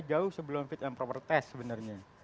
jauh sebelum fit and proper test sebenarnya